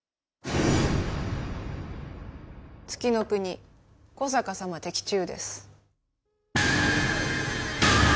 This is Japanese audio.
月ノ国小坂さま的中です。